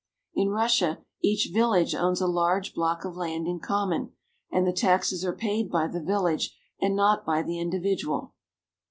In Russia each village owns a large block of land in common, and the taxes are paid by the village and not by the individual.